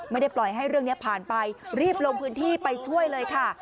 ไม่ได้ปล่อยให้เรื่องนี้ผ่านไปรีบลงพื้นที่ไปช่วยเลยค่ะ